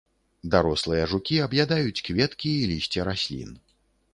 Дарослыя жукі аб'ядаюць кветкі і лісце раслін.